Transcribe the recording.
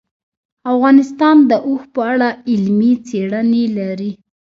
افغانستان د اوښ په اړه علمي څېړنې لري.